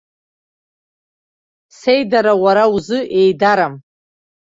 Сеидара уара узы еидарам.